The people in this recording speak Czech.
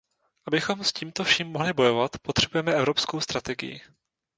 Abychom s tímto vším mohli bojovat, potřebujeme evropskou strategii.